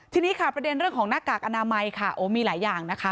ทีนี้ค่ะประเด็นเรื่องของหน้ากากอนามัยค่ะโอ้มีหลายอย่างนะคะ